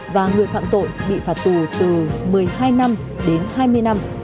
và người phạm tội bị phạt tù từ một mươi hai năm đến hai mươi năm